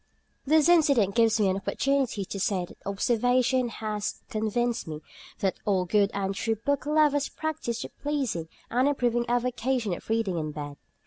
This incident gives me an opportunity to say that observation has convinced me that all good and true book lovers practise the pleasing and improving avocation of reading in bed.